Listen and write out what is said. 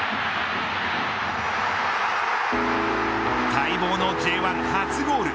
待望のＪ１初ゴール。